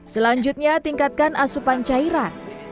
selanjutnya tingkatkan asupan cairan